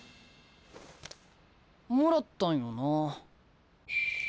もらったんよなあ。